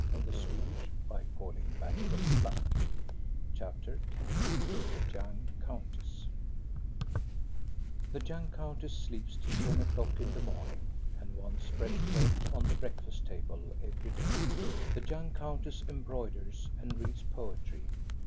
170 THE STORY OF GOSTA BERUNG CHAPTER X THE YOUNG COUNTESS The young countess sleeps till ten o'clock in the morning, and wants fresh bread on the breakfast table every day. The young countess embroiders, and reads poetry.